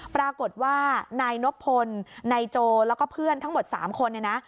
ปรากฏว่านายนบพลนายโจแล้วก็เพื่อนทั้งหมด๓คนเนี่ยนะ